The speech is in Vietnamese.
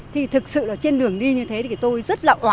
thì thực sự trên đường đi như thế thì thì tôi rất là quả